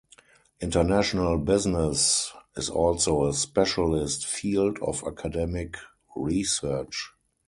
International business is also a specialist field of academic research.